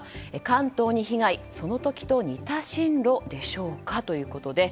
関東に被害、その時と似た進路でしょうかということで。